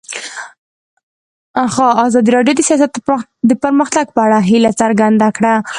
ازادي راډیو د سیاست د پرمختګ په اړه هیله څرګنده کړې.